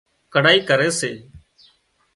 ڪڙهائي ڪري سي